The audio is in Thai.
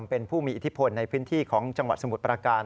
เป็นผู้มีอิทธิพลในพื้นที่ของจังหวัดสมุทรประการ